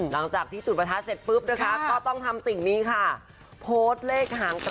ทั้งกระดาษฟรีมาซูอิอิจ์ท่อ